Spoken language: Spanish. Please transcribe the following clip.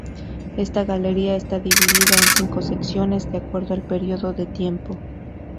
Esta galería está dividida en cinco secciones, de acuerdo al periodo de tiempo.